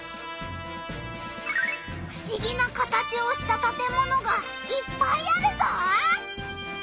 ふしぎな形をしたたてものがいっぱいあるぞ！